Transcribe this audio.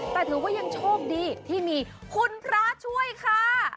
แต่ถือว่ายังโชคดีที่มีคุณพระช่วยค่ะ